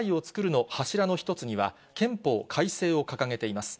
の柱の一つには、憲法改正を掲げています。